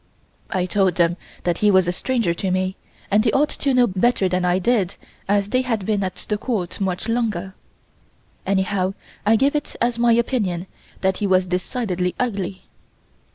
I told them that he was a stranger to me and they ought to know better than I did as they had been at the Court much longer. Anyhow I gave it as my opinion that he was decidedly ugly.